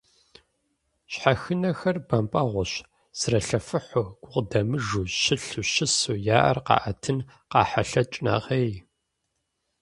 Щхьэхынэхэр бампӀэгъуэщ: зралъэфыхьу, гукъыдэмыжу, щылъу, щысу, я Ӏэр къаӀэтын къайхьэлъэкӀ нэхъей.